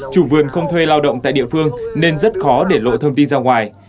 chủ vườn không thuê lao động tại địa phương nên rất khó để lộ thông tin ra ngoài